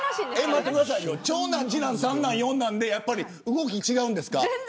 長男、次男、三男、四男で動きが違うんですか。